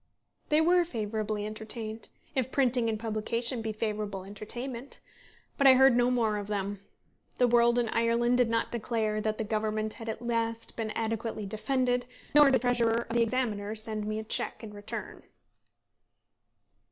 They were favourably entertained, if printing and publication be favourable entertainment. But I heard no more of them. The world in Ireland did not declare that the Government had at last been adequately defended, nor did the treasurer of the Examiner send me a cheque in return.